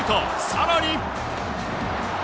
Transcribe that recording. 更に。